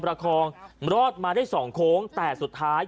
รอดมาได้๒โค้งแต่สุดท้าย